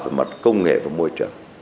về mặt công nghệ và môi trường